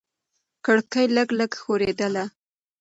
کړکۍ لږه لږه ښورېدله.